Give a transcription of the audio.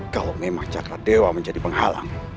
kalau memang cakar dewa menjadi penghalang